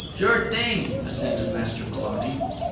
"Sure thing," assented Master Maloney.